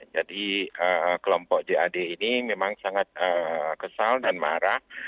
jadi kelompok jad ini memang sangat kesal dan marah